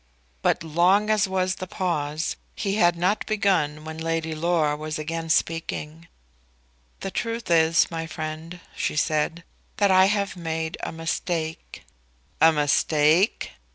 But long as was the pause, he had not begun when Lady Laura was again speaking. "The truth is, my friend," she said, "that I have made a mistake." "A mistake?"